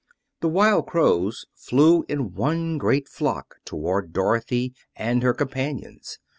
The wild crows flew in one great flock toward Dorothy and her companions.